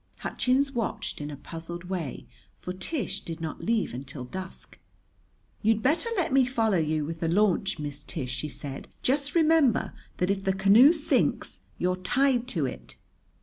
Hutchins watched in a puzzled way, for Tish did not leave until dusk. "You'd better let me follow you with the launch, Miss Tish," she said. "Just remember that if the canoe sinks you're tied to it."